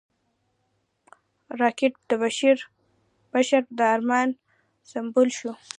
راکټ د بشر د ارمان سمبول شو